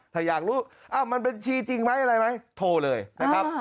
ถ้าอยากรู้มันบัญชีจริงไหมอะไรไหมโทรเลยนะครับ